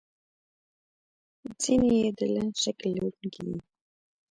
ځینې یې د لنډ شکل لرونکي دي.